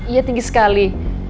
iya tinggi sekali